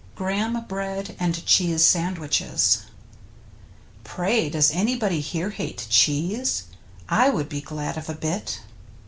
^"^ GRAHAM BREAD AND CHEESE SANDWICHES Pray does anybody here hate cheese? I would be glad of a bit.